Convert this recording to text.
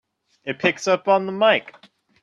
It picks up on the mike!